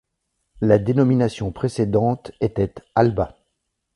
La dénomination précédente était Alba.